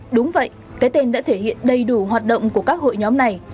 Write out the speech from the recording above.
đúng vậy cái tên đã thể hiện đầy đủ hoạt động của các hội nhóm này